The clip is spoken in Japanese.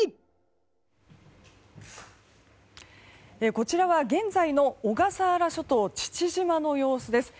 こちらは現在の小笠原諸島、父島の様子です。